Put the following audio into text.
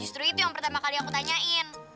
justru itu yang pertama kali aku tanyain